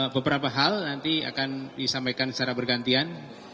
beberapa hal nanti akan disampaikan secara bergantian